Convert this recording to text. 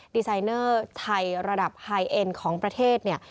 ดีไซเนอร์ไทยระดับไฮเอ็นของประเทศเนี่ย